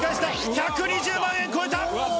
１２０万円超えた。